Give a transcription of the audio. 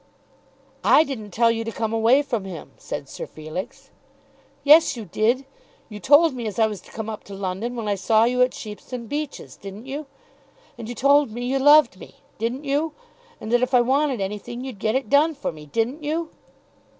"I didn't tell you to come away from him," said Sir Felix. "Yes, you did. You told me as I was to come up to London when I saw you at Sheepstone Beeches; didn't you? And you told me you loved me; didn't you? And that if I wanted anything you'd get it done for me; didn't you?"